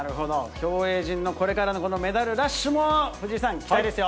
競泳陣のこれからのこのメダルラッシュも藤井さん、期待ですよ。